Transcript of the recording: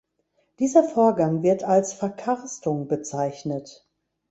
Dieser Vorgang wird als Verkarstung bezeichnet.